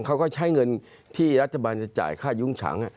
เขาก็ใช้เงินที่รัฐบาลจะจ่ายค่ายุ้งฉาง